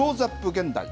現代。